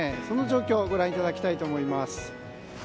その状況ご覧いただきたいと思います。